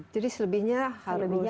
jadi selebihnya harus bagaimana